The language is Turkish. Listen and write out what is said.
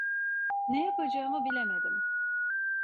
Ne yapacağımı bilemedim.